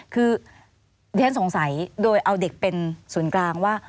คือท่านสงสัยโดยเอาเด็กเป็นส่วนกลางว่า